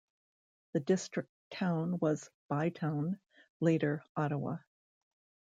The district town was Bytown, later Ottawa.